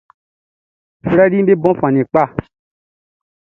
Flɛriʼm be bon fan ni kpa.